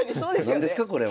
何ですかこれは。